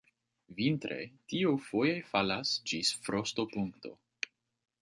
Vintre tio foje falas ĝis frostopunkto.